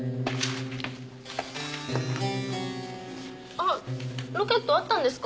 ・あっロケットあったんですか？